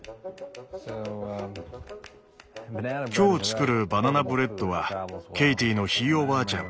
今日作るバナナブレッドはケイティのひいおばあちゃん